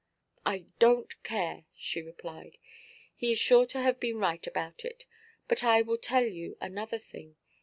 "I donʼt care," she replied; "he is sure to have been right about it. But I will tell you another thing.